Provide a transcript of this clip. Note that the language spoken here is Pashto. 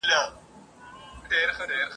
د ښځو او نجونو ..